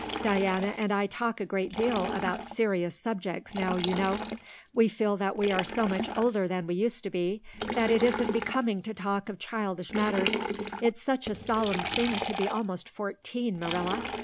Diana and I talk a great deal about serious subjects now, you know. We feel that we are so much older than we used to be that it isn't becoming to talk of childish matters. It's such a solemn thing to be almost fourteen, Marilla.